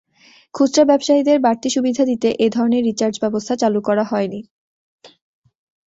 খুচরা ব্যবসায়ীদের বাড়তি সুবিধা দিতে এ ধরনের রিচার্জ ব্যবস্থা চালু করা হয়নি।